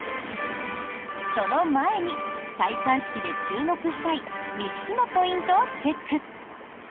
その前に、戴冠式で注目したい３つのポイントをチェック。